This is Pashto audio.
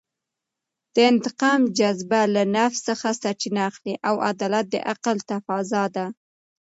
د انتقام جذبه له نفس څخه سرچینه اخلي او عدالت د عقل تفاضا ده.